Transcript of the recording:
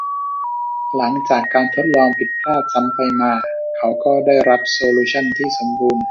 หลังจากการทดลองและผิดพลาดซ้ำไปมา เขาก็ได้รับโซลูชั่นที่สมบูรณ์